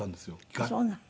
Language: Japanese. あっそうなの。